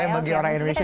bagi orang indonesia